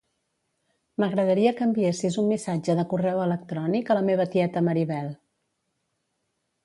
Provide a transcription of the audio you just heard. M'agradaria que enviessis un missatge de correu electrònic a la meva tieta Maribel.